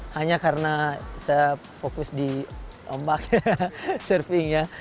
hanya karena saya fokus di ombak surfing ya